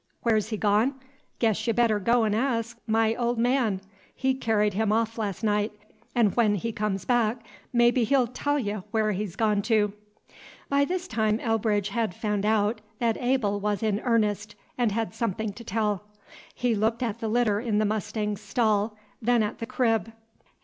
"Whar he's gone? Guess y' better go 'n ask my ol man; he kerried him off lass' night; 'n' when he comes back, mebbe he 'll tell ye whar he's gone tew!" By this time Elbridge had found out that Abel was in earnest, and had something to tell. He looked at the litter in the mustang's stall, then at the crib.